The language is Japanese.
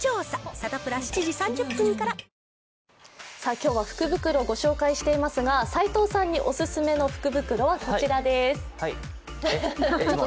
今日は福袋をご紹介していますが、斎藤さんにお勧めの福袋はこちらです。